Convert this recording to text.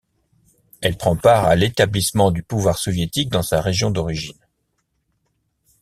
Elle prend part à l'établissement du pouvoir soviétique dans sa région d'origine.